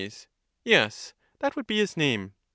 Yes ; that would be his name.